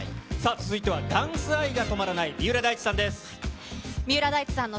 続いてはダンス愛が止まらない、三浦大知さんです。